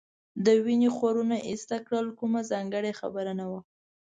د وینې خورونه ایسته کړل، کومه ځانګړې خبره نه وه.